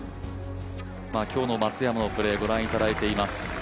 今日の松山のプレーご覧いただいています。